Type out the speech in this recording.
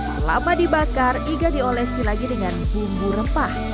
selama dibakar iga diolesi lagi dengan bumbu rempah